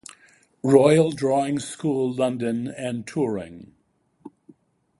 Royal Drawing School London and touring.